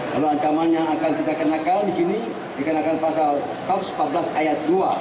lalu ancaman yang akan kita kenakan di sini dikenakan pasal satu ratus empat belas ayat dua